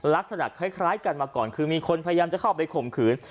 ลักษณะคล้ายกันมาก่อนคือมีคนพยายามจะเข้าไปข่มขืน